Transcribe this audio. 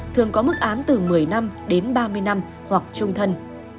thường có mức án từ một mươi năm đến ba mươi năm hoặc trung thân